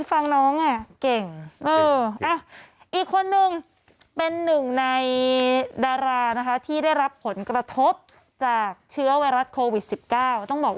ฟังน้องฟูปศาลงคิดเราชอบฟังน้องไง